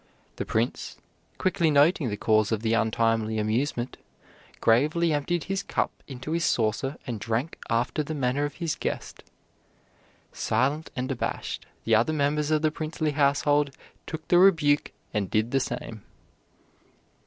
The Prince, quickly noting the cause of the untimely amusement, gravely emptied his cup into his saucer and drank after the manner of his guest. Silent and abashed, the other members of the princely household took the rebuke and did the same.